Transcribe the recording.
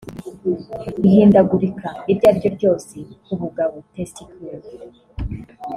Ihindagurika iryo ariryo ryose ku bugabo (testicles)